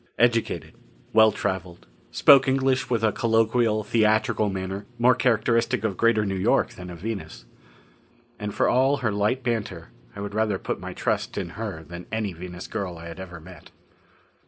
Educated. Well traveled. Spoke English with a colloquial, theatrical manner more characteristic of Greater New York than of Venus. And for all her light banter, I would rather put my trust in her than any Venus girl I had ever met.